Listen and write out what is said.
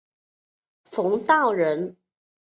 冯道人。